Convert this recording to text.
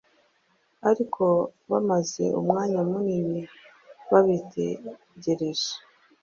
Ariko bamaze umwanya munini bakibitegereje,